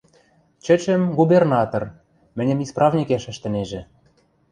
Чӹчӹм – губернатор, мӹньӹм исправникеш ӹштӹнежӹ...